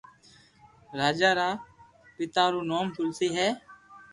راجا رآ پيتا رو نوم تلسي ھي